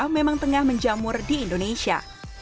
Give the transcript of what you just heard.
memang tengah menjamur di indonesia